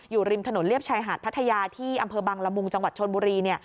อยู่ริมถนนเรียบชายหาดพัทยาที่อำเภอบังละมุงจังหวัดชนบุรี